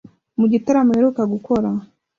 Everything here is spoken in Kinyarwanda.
Mu gitaramo aheruka gukora